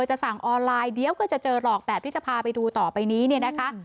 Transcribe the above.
จะสั่งออนไลน์เดี๋ยวก็จะเจอหลอกแบบที่จะพาไปดูต่อไปนี้เนี่ยนะคะ